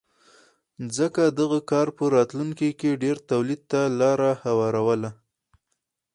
ځکه دغه کار په راتلونکې کې ډېر تولید ته لار هواروله